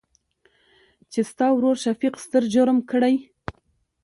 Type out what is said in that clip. چې ستا ورورشفيق ستر جرم کړى.